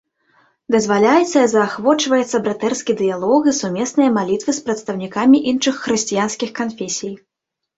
Дазваляецца і заахвочваецца братэрскі дыялог і сумесныя малітвы з прадстаўнікамі іншых хрысціянскіх канфесій.